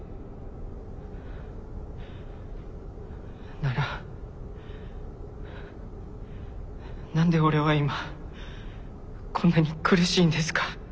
なら何で俺は今こんなに苦しいんですか？